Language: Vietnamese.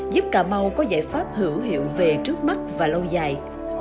giúp cà mau có giải pháp hữu hiệu về trước mắt và lâu dài